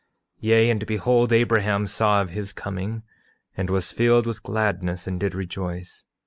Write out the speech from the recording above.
8:17 Yea, and behold, Abraham saw of his coming, and was filled with gladness and did rejoice.